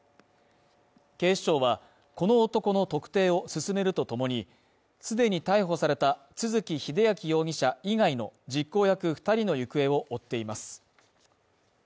警視庁は、この男の特定を進めるとともに、既に逮捕された都築英明容疑者以外の実行役２人の行方を追っています。